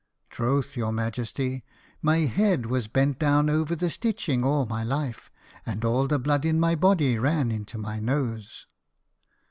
"Throth, your majesty, my head was bent down over the stitching all my life, and all the blood in my body ran into my nose."